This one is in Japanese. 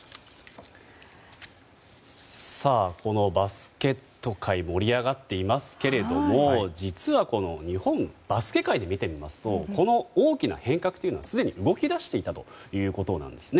バスケット界盛り上がってますが実は、日本バスケ界で見てみますとこの大きな変革はすでに動き出していたということです。